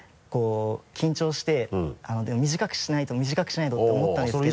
緊張してでも短くしないと短くしないとって思ったんですけど。